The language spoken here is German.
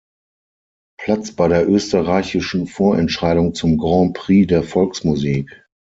Platz bei der österreichischen Vorentscheidung zum Grand Prix der Volksmusik.